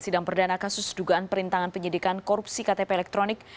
sidang perdana kasus dugaan perintangan penyidikan korupsi ktp elektronik